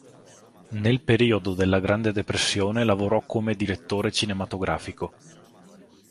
Nel periodo della Grande depressione lavorò come direttore cinematografico.